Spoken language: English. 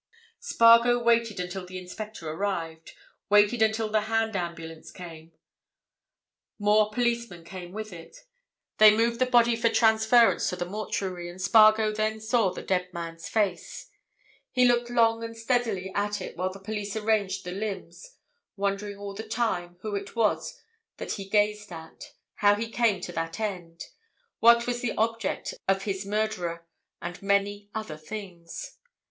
Spargo waited until the inspector arrived; waited until the hand ambulance came. More policemen came with it; they moved the body for transference to the mortuary, and Spargo then saw the dead man's face. He looked long and steadily at it while the police arranged the limbs, wondering all the time who it was that he gazed at, how he came to that end, what was the object of his murderer, and many other things.